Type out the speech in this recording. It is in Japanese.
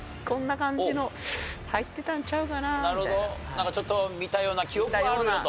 なんかちょっと見たような記憶はあるよと。